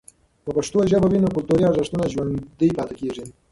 که پښتو ژبه وي، نو کلتوري ارزښتونه ژوندۍ پاتې کیږي.